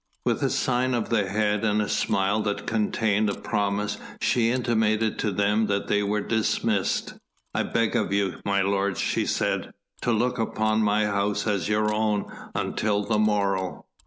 With a sign of the head and a smile that contained a promise she intimated to them that they were dismissed. "I beg of you, my lords," she said, "to look upon my house as your own until the morrow.